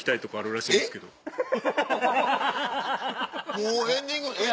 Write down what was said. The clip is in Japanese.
もうエンディングえっ？